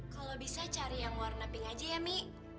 kalau bisa cari yang warna pink aja ya mi